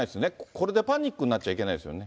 これでパニックになっちゃいけないですよね。